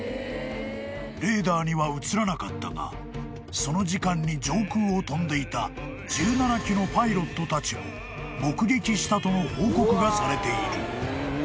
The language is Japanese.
［レーダーには映らなかったがその時間に上空を飛んでいた１７機のパイロットたちも目撃したとの報告がされている］